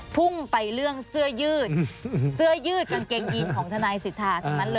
เสื้อยืดเสื้อยืดกางเกงอีดของทานายสิทธา